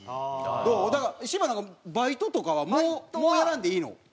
だから芝なんかバイトとかはもうやらんでいいの？